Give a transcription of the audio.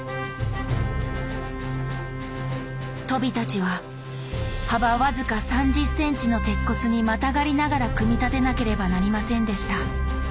とびたちは幅僅か３０ｃｍの鉄骨にまたがりながら組み立てなければなりませんでした。